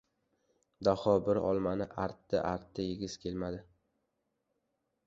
Daho bir olmani artdi-artdi, yegisi kelmadi.